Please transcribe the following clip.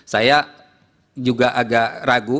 saya juga agak ragu